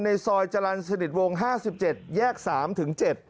ซอยจรรย์สนิทวง๕๗แยก๓ถึง๗